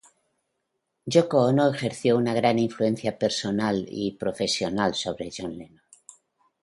Yoko Ono ejerció una gran influencia personal y profesional sobre John Lennon.